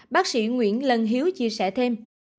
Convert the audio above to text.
bác sĩ nguyễn lân hiếu chia sẻ thêm